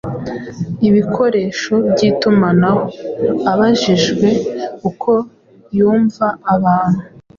ibikoresho by’itumanaho. Abajijwe uko yumva abantu